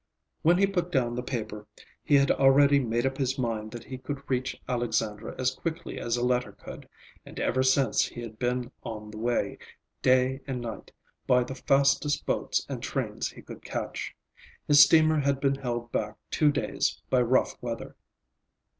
When he put down the paper, he had already made up his mind that he could reach Alexandra as quickly as a letter could; and ever since he had been on the way; day and night, by the fastest boats and trains he could catch. His steamer had been held back two days by rough weather.